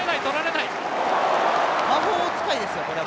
魔法使いですよこれは。